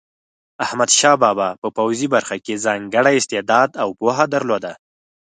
احمدشاه بابا په پوځي برخه کې ځانګړی استعداد او پوهه درلوده.